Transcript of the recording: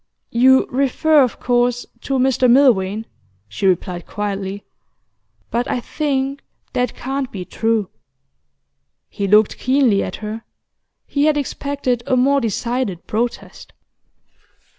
'You refer, of course, to Mr Milvain,' she replied quietly. 'But I think that can't be true.' He looked keenly at her. He had expected a more decided protest.